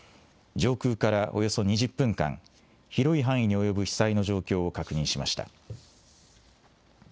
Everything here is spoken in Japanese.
上空からおよそ２０分間、広い範囲に及ぶ被災の状況を確認しました。